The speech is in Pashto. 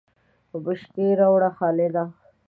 بشکی راوړه خالده !